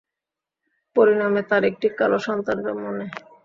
পরিণামে তার একটি কালো সন্তান জন্ম নেয়।